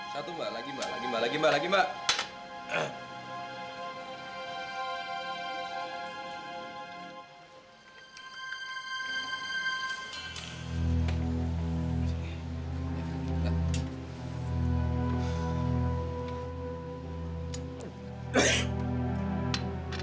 satu mak lagi mak lagi mak lagi mak lagi mak